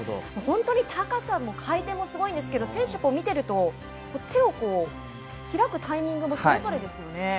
本当に高さも回転もすごいんですが選手見ていると手を開くタイミングもそれぞれですよね。